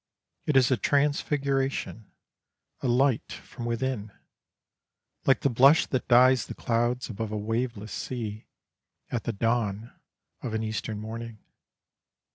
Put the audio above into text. It is a transfiguration, a light from within, like the blush that dyes the clouds above a waveless sea, at the dawn of an Eastern morning.